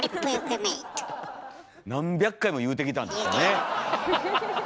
何百回も言うてきたんでしょうね。